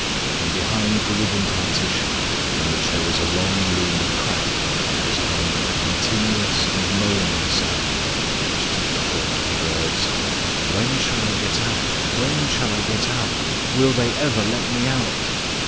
From behind the wooden partition, in which there was a long lean crack, was coming a continuous and moaning sound which took the form of the words: "When shall I get out? When shall I get out? Will they ever let me out?"